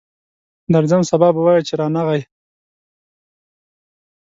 درځم، سبا به وایې چې رانغی.